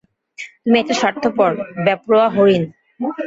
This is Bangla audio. তুমি একটা স্বার্থপর, বেপরোয়া হরিণ।